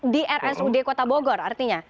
di rsud kota bogor artinya